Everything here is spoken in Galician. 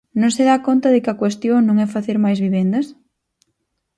¿Non se dá conta de que a cuestión non é facer máis vivendas?